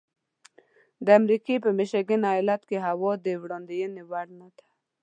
د امریکې په میشیګن ایالت کې هوا د وړاندوینې وړ نه ده.